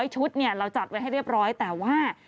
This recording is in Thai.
ชุดเราจัดไว้ให้เรียบร้อยแต่ว่า